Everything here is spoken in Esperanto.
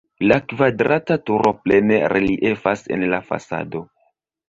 La kvadrata turo plene reliefas en la fasado.